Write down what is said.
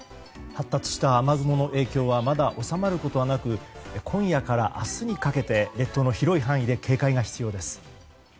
発達した雨雲の影響はまだ収まることはなく今夜から明日にかけて列島の広い範囲で警戒が必要です。